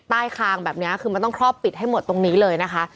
คางแบบนี้คือมันต้องครอบปิดให้หมดตรงนี้เลยนะคะ